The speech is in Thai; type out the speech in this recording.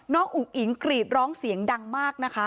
อุ๋งอิ๋งกรีดร้องเสียงดังมากนะคะ